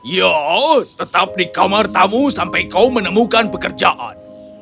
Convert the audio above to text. ya tetap di kamar tamu sampai kau menemukan pekerjaan